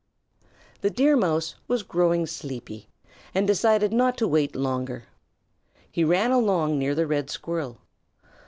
The Deer Mouse was growing sleepy and decided not to wait longer. He ran along near the Red Squirrel.